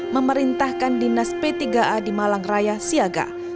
memerintahkan dinas p tiga a di malang raya siaga